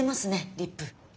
リップ。